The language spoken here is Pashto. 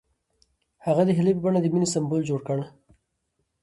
هغه د هیلې په بڼه د مینې سمبول جوړ کړ.